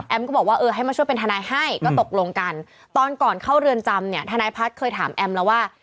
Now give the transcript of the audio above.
ก็บอกว่าเออให้มาช่วยเป็นทนายให้ก็ตกลงกันตอนก่อนเข้าเรือนจำเนี่ยทนายพัฒน์เคยถามแอมแล้วว่า